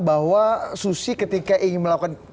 bahwa susi ketika ingin melakukan